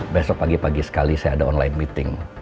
besok pagi pagi sekali saya ada online meeting